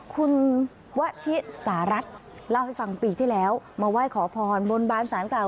คุณวชิสารัฐเล่าให้ฟังปีที่แล้วมาไหว้ขอพรบนบานสารกล่าว